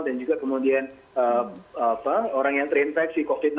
dan juga kemudian orang yang terinfeksi covid sembilan belas